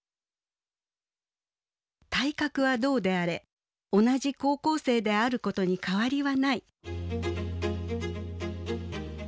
「体格はどうであれ同じ高校生であることに変わりはない」。